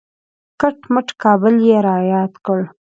کټ مټ کابل یې را یاد کړ.